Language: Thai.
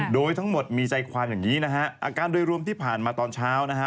โดยทั้งหมดมีใจความอย่างนี้นะฮะอาการโดยรวมที่ผ่านมาตอนเช้านะฮะ